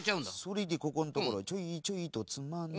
それでここんところをちょいちょいとつまんで。